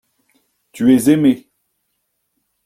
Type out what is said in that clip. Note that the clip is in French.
Tu es aimé.